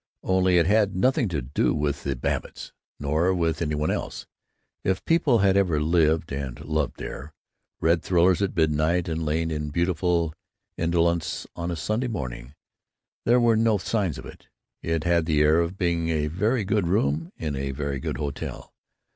Only it had nothing to do with the Babbitts, nor with any one else. If people had ever lived and loved here, read thrillers at midnight and lain in beautiful indolence on a Sunday morning, there were no signs of it. It had the air of being a very good room in a very good hotel.